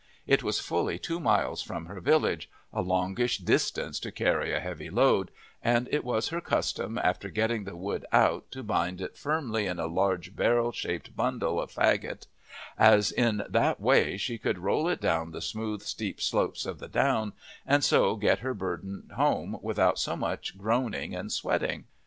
It was fully two miles from her village, a longish distance to carry a heavy load, and it was her custom after getting the wood out to bind it firmly in a large barrel shaped bundle or faggot, as in that way she could roll it down the smooth steep slopes of the down and so get her burden home without so much groaning and sweating.